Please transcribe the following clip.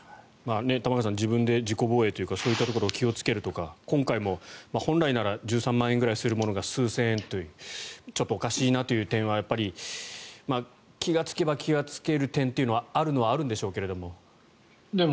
玉川さん自分で自己防衛というかそういったところを気をつけるとか今回も、本来なら１３万円くらいするものが数千円というちょっとおかしいなという点は気がつけば気がつける点というのはあるのはあるんでしょうけども。